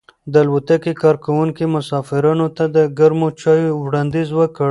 د الوتکې کارکونکو مسافرانو ته د ګرمو چایو وړاندیز وکړ.